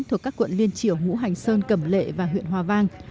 thuộc các quận liên triểu hũ hành sơn cẩm lệ và huyện hòa vang